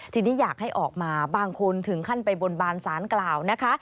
ทีนี้อยากให้ออกมาบางคนถึงขั้นไปบนบานสารกล่าวนะคะ